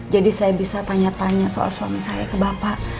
jadi saya bisa tanya tanya soal suami saya ke bapak